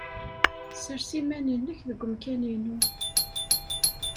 Ssers iman-nnek deg umkan-inu.